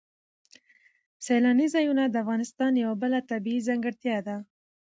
سیلاني ځایونه د افغانستان یوه بله طبیعي ځانګړتیا ده.